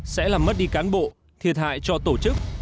sẽ làm mất đi cán bộ thiệt hại cho tổ chức